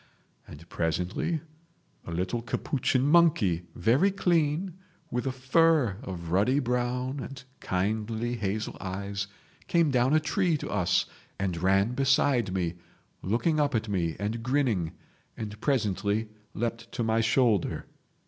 . And presently a little Capuchin monkey, very clean, with a fur of ruddy brown and kindly hazel eyes, came down a tree to us and ran beside me, looking up at me and grinning, and presently leapt to my shoulder.